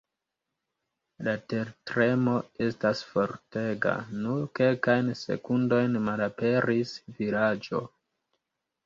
La tertremo estas fortega, nur kelkajn sekundojn, malaperis vilaĝo.